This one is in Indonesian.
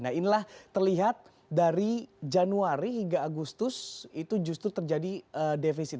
nah inilah terlihat dari januari hingga agustus itu justru terjadi defisit